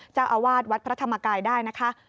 เจ้าอาวาสวัดพระธรรมกายได้นะคะ